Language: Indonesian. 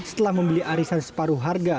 setelah membeli arisan separuh harga